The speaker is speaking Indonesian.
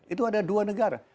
itu ada dua negara